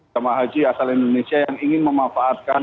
jemaah haji asal indonesia yang ingin memanfaatkan